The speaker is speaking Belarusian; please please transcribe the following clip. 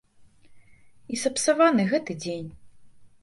І сапсаваны гэты дзень!